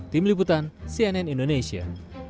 tim liputan cnn indonesia